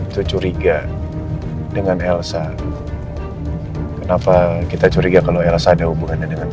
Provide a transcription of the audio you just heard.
tiap jumat eksklusif di gtv